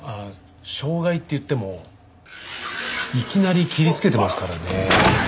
傷害っていってもいきなり切りつけてますからね。